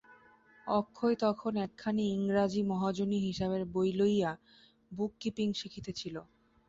অক্ষয় তখন একখানি ইংরাজি মহাজনী হিসাবের বই লইয়া বুক-কীপিং শিখিতেছিল।